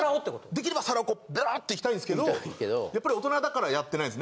できれば皿をこうベロっといきたいんですけどやっぱり大人だからやってないんですね。